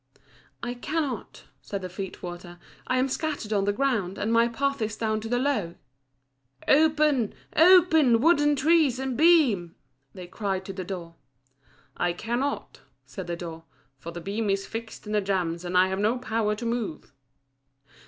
"I cannot," said the feet water, "I am scattered on the ground, and my path is down to the Lough." "Open, open, wood and trees and beam!" they cried to the door. "I cannot," said the door, "for the beam is fixed in the jambs and I have no power to move."